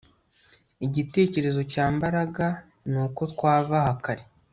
Igitekerezo cya Mbaraga ni uko twahava kare